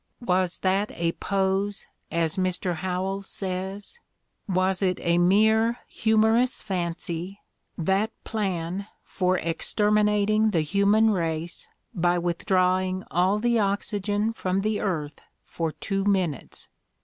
'' Was that a pose, as Mr. Howells says ? "Was it a mere humorous fancy, that "plan" for exterminating the human race by withdrawing all the oxygen from the earth for two minutes?